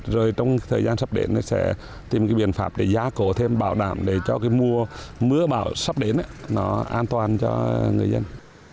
rồi trong thời gian sắp đến sẽ tìm cái biện pháp để giá cổ thêm bảo đảm để cho cái mưa bão sắp đến nó an toàn cho người dân